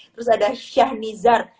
terus ada syah nizar